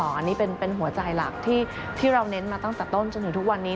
อันนี้เป็นหัวใจหลักที่เราเน้นมาตั้งแต่ต้นจนถึงทุกวันนี้